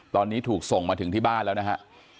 ตอนนี้ถูกส่งมาถึงที่บ้านแล้วนะฮะ